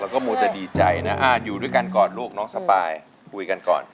เราก็โมเตอร์ดีใจนะอยู่ด้วยกันก่อนโลกน้องสปายคุยกันก่อน